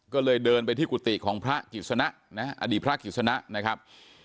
ก็เลยเดินไปที่กุฏิของพระกิจสนะอดีตพระกิจสนะนะครับ